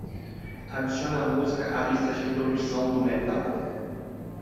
Adicione a música à lista de reprodução do Metal.